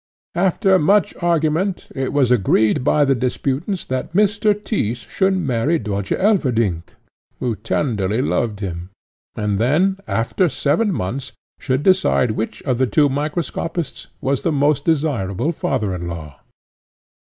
After much argument, it was agreed by the disputants that Mr. Tyss should marry Dörtje Elverdink, who tenderly loved him; and then, after seven months, should decide which of the two microscopists was the most desirable father in law.